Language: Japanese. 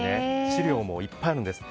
資料もいっぱいあるんです。